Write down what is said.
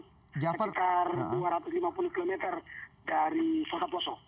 sekitar dua ratus lima puluh km dari sotaposo